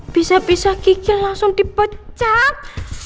bisa bisa kiki langsung dipecah